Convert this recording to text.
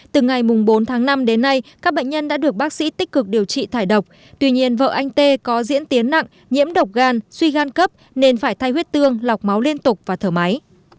từ ngày bốn tháng năm đến nay các bệnh nhân đã được bác sĩ tích cực điều trị thải độc tuy nhiên vợ anh tê có diễn tiến nặng nhiễm độc gan suy gan cấp nên phải thay huyết tương lọc máu liên tục và thở máy